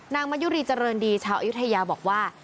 นางมะยุรีเจริญดีชาวอิทยาบอกว่า